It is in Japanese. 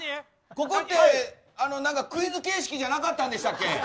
ここってクイズ形式じゃなかったんでしたっけ？